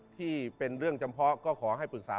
ที่เป็นเรื่องจำเพาะก็ขอให้ปรึกษา